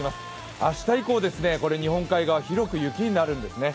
明日以降、日本海側、広く雪になるんですね。